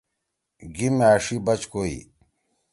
گِم أݜی بچ کوئی۔